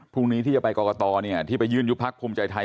พรุ่งนี้ที่จะไปกรกตที่ไปยื่นยุบพักภูมิใจไทย